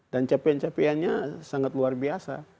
dan capaian capaiannya sangat luar biasa